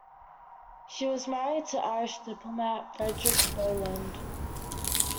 She was married to Irish diplomat Frederick Boland.